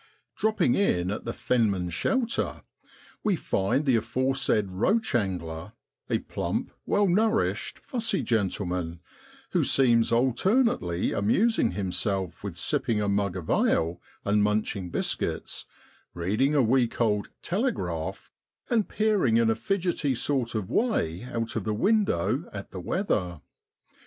Dropping in at the ' Fenman's Shelter,' we find the aforesaid roach angler a plump, well nourished, fussy gentleman, who seems alternately amusing himself with sipping a mug of ale and munching biscuits, reading a week old ( Telegraph,' and peering in a fidgety sort of way out of the window at the weather.